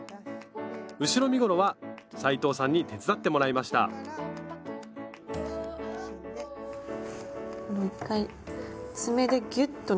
後ろ身ごろは斉藤さんに手伝ってもらいました１回爪でギュッと伸ばすことが大事。